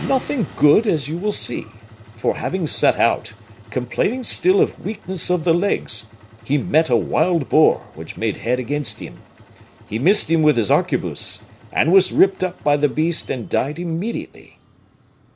"Nothing good, as you will see; for having set out, complaining still of weakness of the legs, he met a wild boar, which made head against him; he missed him with his arquebuse, and was ripped up by the beast and died immediately."